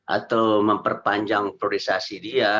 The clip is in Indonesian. atau memperpanjang priorisasi dia